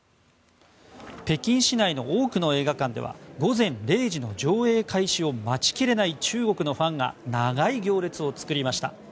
北京市内の多くの映画館では午前０時の上映開始を待ちきれない中国のファンが長い行列を作りました。